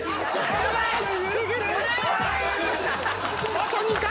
あと２回！